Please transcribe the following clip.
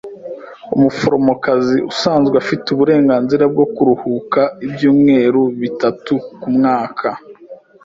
Umuforomokazi usanzwe afite uburenganzira bwo kuruhuka ibyumweru bitatu kumwaka.